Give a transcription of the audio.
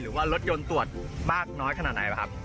หรือว่ารถยนต์ตรวจมากน้อยขนาดไหนป่ะครับ